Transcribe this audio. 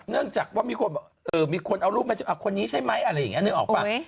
เนื่องจากว่ามีคนเอารูปมาคนนี้ใช่ไหมอะไรอย่างนี้นึกออกป่ะ